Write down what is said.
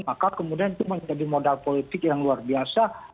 maka kemudian itu menjadi modal politik yang luar biasa